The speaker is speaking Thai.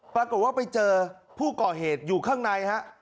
ปรากฏว่าไปเจอผู้ก่อเหตุอยู่ข้างในฮะ